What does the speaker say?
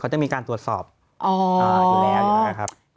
เขาจะมีการตรวจสอบอยู่แล้วอยู่แล้วครับ